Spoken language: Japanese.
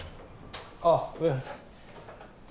あ上原さん。